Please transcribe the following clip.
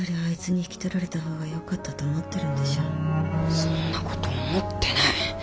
そんなこと思ってない。